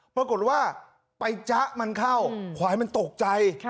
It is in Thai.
ปรากฏว่าไปจ๊ะมันเข้าควายมันตกใจ